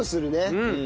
うん。